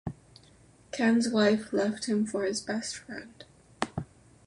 Ken's wife left him for his best friend.